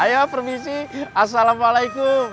ayo permisi assalamualaikum